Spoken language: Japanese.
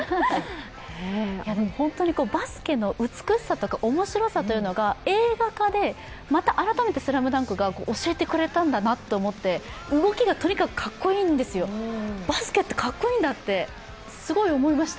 でも本当にバスケの美しさとか面白さというのが映画化でまた改めて「ＳＬＡＭＤＵＮＫ」が教えてくれたんだなと思って動きがとにかくかっこいいんですよ、バスケってかっこいいんだって、すごい思いました。